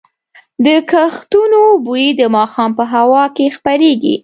د کښتونو بوی د ماښام په هوا کې خپرېږي.